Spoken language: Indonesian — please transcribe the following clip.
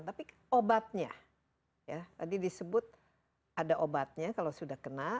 tapi obatnya ya tadi disebut ada obatnya kalau sudah kena